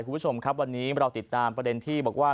คุณผู้ชมครับวันนี้เราติดตามประเด็นที่บอกว่า